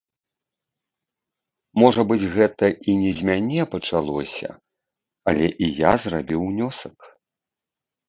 Можа быць, гэта і не з мяне пачалося, але і я зрабіў унёсак.